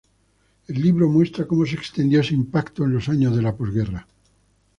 El libro muestra cómo se extendió este impacto en los años de la posguerra.